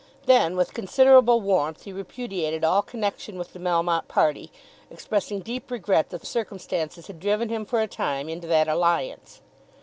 Then with considerable warmth he repudiated all connection with the Melmotte party, expressing deep regret that circumstances had driven him for a time into that alliance.